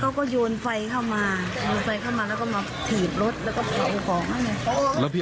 เขาเดินไปลงห้องลงที่๑๐